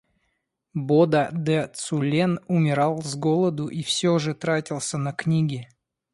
Бода Де Цулен умирал с голоду и все же тратился на книги.